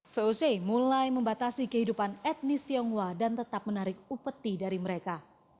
voc mulai membatasi kehidupan etnis tionghoa dan tetap menarik upeti dari mereka